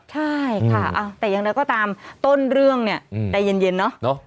ใช่ค่ะแต่อย่างไรก็ตามต้นเรื่องเนี่ยใจเย็นเนอะ